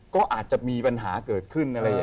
ก็แสดงมีปัญหาเกิดขึ้น